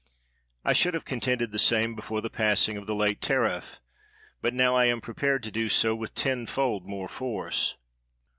I .should have contended the same before the passing of the late tariff, but now I am prepared to do so with ten fold more force.